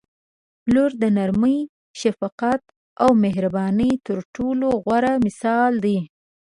• لور د نرمۍ، شفقت او مهربانۍ تر ټولو غوره مثال دی.